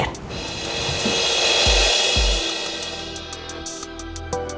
sedang banyak masalah itu